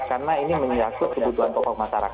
karena ini menyangkut kebutuhan pokok masyarakat